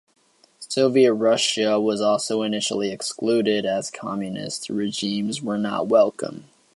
Soviet Russia was also initially excluded, as Communist regimes were not welcomed.